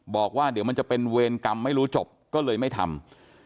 บอกว่าเดี๋ยวมันจะเป็นเวรกรรมไม่รู้จบก็เลยไม่ทำ